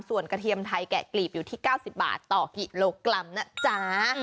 ส่วนกระเทียมไทยแกะกลีบอยู่ที่๙๐บาทต่อกิโลกรัมนะจ๊ะ